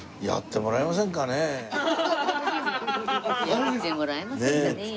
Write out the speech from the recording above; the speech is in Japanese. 「やってもらえませんかねぇ」。